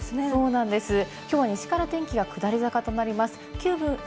そうなんです、今日は西から天気が下り坂となります。